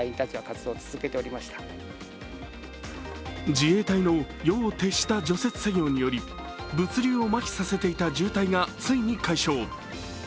自衛隊の夜を徹した除雪作業により物流をまひさせていた渋滞が、ついに解消。